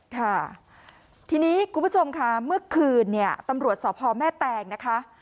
ค่ะทีนี้คุณผู้ชมค่ะเมื่อคืนเนี่ยตำรวจสพแม่แตงนะคะ